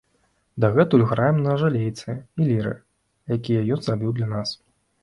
Дагэтуль граем на жалейцы і ліры, якія ён зрабіў для нас.